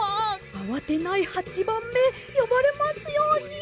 あわてない八番目よばれますように。